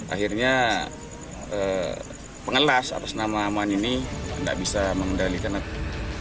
akhirnya pengelas atas nama aman ini tidak bisa mengendalikan api